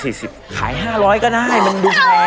อีกครั้ง